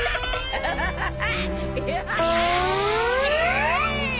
アハハハ！